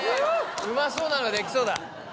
うまそうなのできそうだ！